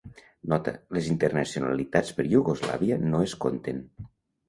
Nota: les internacionalitats per Iugoslàvia no es conten.